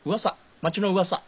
町のうわさ。